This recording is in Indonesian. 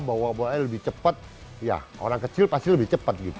bawa bawanya lebih cepat ya orang kecil pasti lebih cepat gitu